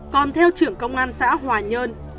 còn theo trưởng công an xã hòa nhơn